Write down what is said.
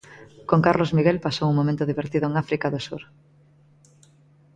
Con Carlos Miguel pasou un momento divertido en África do Sur.